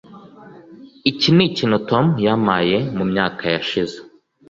iki nikintu tom yampaye mumyaka yashize